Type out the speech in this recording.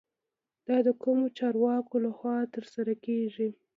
دا د کومو چارواکو له خوا ترسره کیږي؟